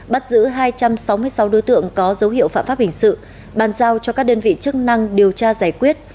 bắt giữ hai trăm sáu mươi sáu đối tượng có dấu hiệu phạm pháp hình sự bàn giao cho các đơn vị chức năng điều tra giải quyết